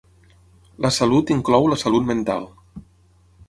La salut inclou la salut mental.